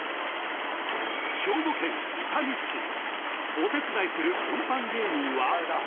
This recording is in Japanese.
［お手伝いする運搬芸人は］